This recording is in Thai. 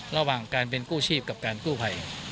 ระหว่างการเป็นกู้ชีพกับการกู้ภัย